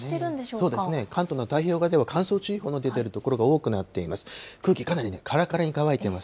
そうですね、関東の太平洋側では乾燥注意報の出ている所が多くなっています。